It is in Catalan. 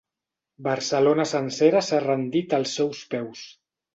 Barcelona sencera s'ha rendit als seus peus.